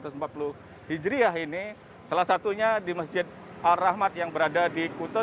salat idul adha rp satu empat ratus empat puluh salah satunya di masjid ar rahmat yang berada di kuta